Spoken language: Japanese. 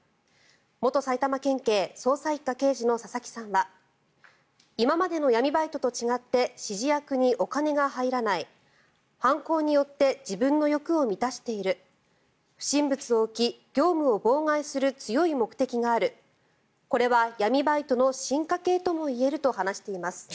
元埼玉県警捜査１課刑事の佐々木さんは今までの闇バイトと違って指示役にお金が入らない犯行によって自分の欲を満たしている不審物を置き業務を妨害する強い目的があるこれは闇バイトの進化系ともいえると話しています。